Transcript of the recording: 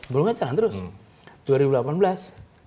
belum jalan terus